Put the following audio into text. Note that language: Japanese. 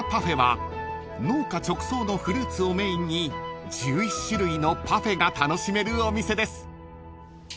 ［農家直送のフルーツをメインに１１種類のパフェが楽しめるお店です］